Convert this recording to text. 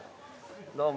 どうも。